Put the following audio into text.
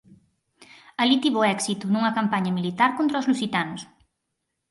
Alí tivo éxito nunha campaña militar contra os lusitanos.